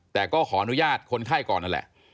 แต่ก็ขออนุญาตคนไข้ก่อนนั่นแหละ